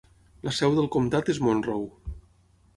La seu del comtat és Monroe.